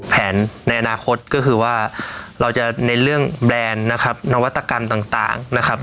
ในอนาคตก็คือว่าเราจะในเรื่องแบรนด์นะครับนวัตกรรมต่างนะครับ